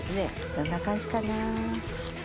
どんな感じかな。